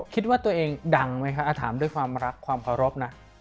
คิดว่าตัวเองดังไหมคะถามด้วยความรักความเคารพนะ